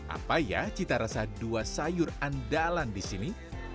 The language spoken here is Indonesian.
apa ya cita rasa dua sayur andalan di sini